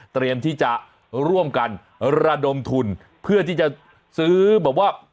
เตรียมที่จะร่วมกันระดมทุนเพื่อที่จะซื้อแบบว่า